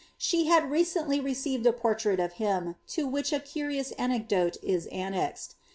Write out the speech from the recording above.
^ She had recently received a portrait of hinu to which i curious anecdote is annexed.